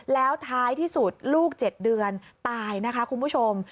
แล้วท้ายที่สุดลูก๗เดือนตายนะคะคุณผู้ชม